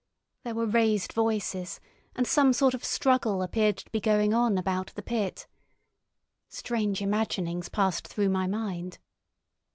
There were raised voices, and some sort of struggle appeared to be going on about the pit. Strange imaginings passed through my mind.